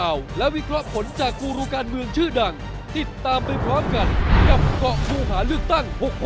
อ้าวเอาละ